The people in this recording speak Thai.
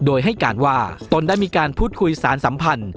โดยให้การว่าตนได้มีการพูดคุยสารสัมพันธ์